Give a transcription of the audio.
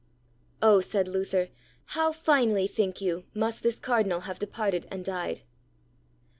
Oh! said Luther, how finely, think you, must this Cardinal have departed and died?